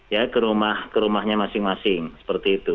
ya ke rumah ke rumahnya masing masing seperti itu